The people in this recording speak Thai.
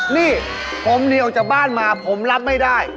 นี่ผมเหนียวจากบ้านมาผมรับไม่ได้